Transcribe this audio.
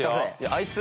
あいつ。